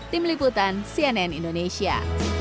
tim liputan cnn indonesia